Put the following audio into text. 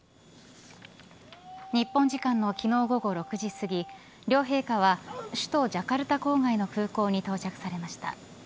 日本時間の昨日、午後６時すぎ両陛下は首都ジャカルタ郊外の空港に到着されました。